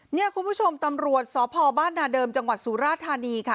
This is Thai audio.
เนี่ยคุณผู้ชมตำรวจสพบ้านนาเดิมจังหวัดสุราธานีค่ะ